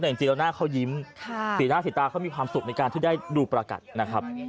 แต่จริงแล้วหน้าเขายิ้มสีหน้าสีตาเขามีความสุขในการที่ได้ดูประกัดนะครับ